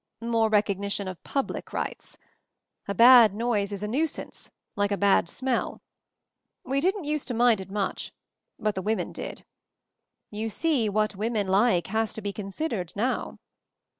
"More recognition of public rights. A bad noise is a nuisance, like a bad smell. We didn't used to mind it much — but the women did. You see, what women like has to be considered now."